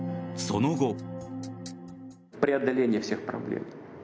その後。